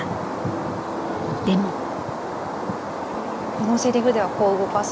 このセリフではこう動かす